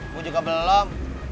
lu juga belum